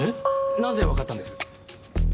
なぜわかったんです？